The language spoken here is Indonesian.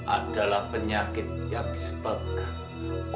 adalah penyakit yang disebabkan